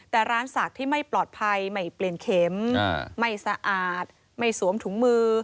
แต่ร้านศักดิ์ที่ไม่ปลอดภัยไม่เปลี่ยนเข็มไม่สะอาดไม่สวมถุงมือ